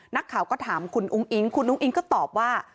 นักข่าวก็ถามคุณอุ้งอิ๊งคุณอุ้งอิ๊งก็ตอบว่า